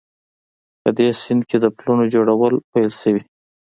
په دې سیند کې د پلونو جوړول پیل شوي